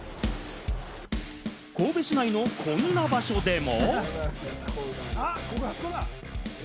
神戸市内のこんな場所でも。